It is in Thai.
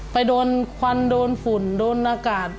ไปโดนควันโดนฝุ่นโดนอากาศ